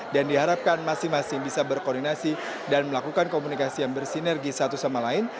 dan diharapkan masing masing bisa berkoordinasi dan melakukan komunikasi yang bersinergi satu sama lain